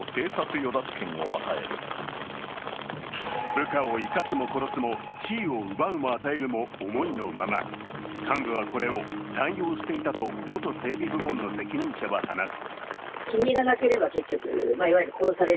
部下を生かすも殺すも地位を奪うも与えるも思いのまま、幹部はこれを乱用していたと元整備部門の責任者は話す。